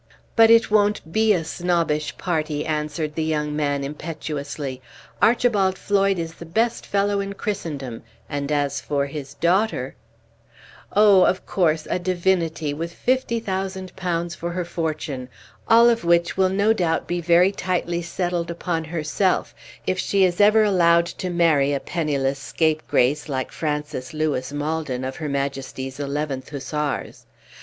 "But it won't be a snobbish party," answered the young man, impetuously. "Archibald Floyd is the best fellow in Christendom, and as for his daughter " "Oh, of course, a divinity, with fifty thousand pounds for her fortune, all of which will no doubt be very tightly settled upon herself if she is ever allowed to marry a penniless scapegrace like Francis Lewis Maldon, of her Majesty's 11th Hussars.